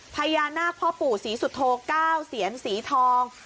พญานาคพ่อปู่ศรีสุโธ๙เสียนสีทอง